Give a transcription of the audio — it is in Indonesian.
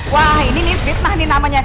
wah ini nih betah nih namanya